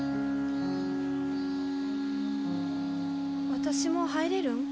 私も入れるん？